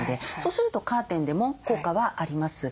するとカーテンでも効果はあります。